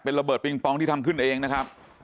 ระเบิดปิงปองที่ทำขึ้นเองนะครับ